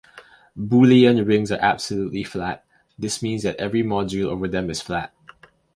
Boolean rings are absolutely flat: this means that every module over them is flat.